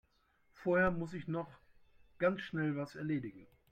Vorher muss ich noch ganz schnell was erledigen.